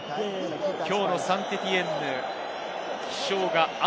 きょうのサンテティエンヌ、気象が雨。